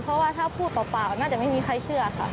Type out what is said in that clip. เพราะว่าถ้าพูดเปล่าน่าจะไม่มีใครเชื่อค่ะ